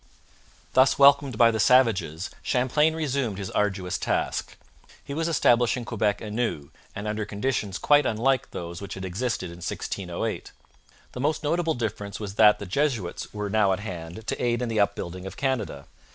Thus welcomed by the savages, Champlain resumed his arduous task. He was establishing Quebec anew and under conditions quite unlike those which had existed in 1608. The most notable difference was that the Jesuits were now at hand to aid in the upbuilding of Canada.